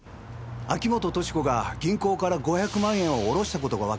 秋本敏子が銀行から５００万円を下ろした事がわかりました。